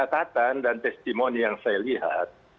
dan dari pertemuan dan testimoni yang saya lihat